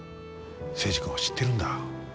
征二君を知ってるんだ。